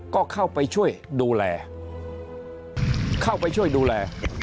ก็เข้าไปช่วยดูแลเข้าไปช่วยดูแล